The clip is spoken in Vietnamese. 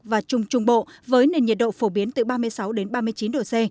và trung trung bộ với nền nhiệt độ phổ biến từ ba mươi sáu ba mươi chín độ c